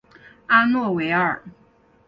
阿洛维尔。